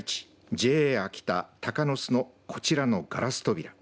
ＪＡ秋田たかのすのこちらのガラス扉。